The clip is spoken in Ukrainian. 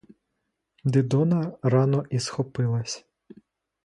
Дидона рано ісхопилась.